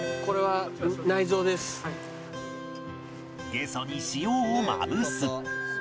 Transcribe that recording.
ゲソに塩をまぶす